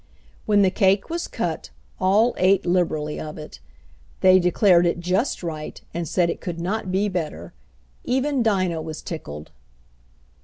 When the cake was cut all ate liberally of it. They declared it just right and said it could not be better. Even Dinah was tickled.